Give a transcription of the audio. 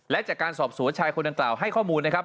และจากการสอบสวนชายคนดังกล่าวให้ข้อมูลนะครับ